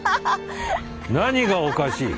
何がおかしい？